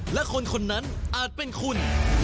และคนคนนั้นอาจเป็นคุณ